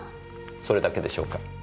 それだけでしょうか？